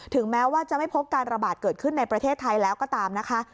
แม้ว่าจะไม่พบการระบาดเกิดขึ้นในประเทศไทยแล้วก็ตามนะคะ